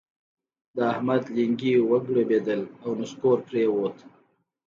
د احمد لېنګي وګړبېدل او نسکور پرېوت.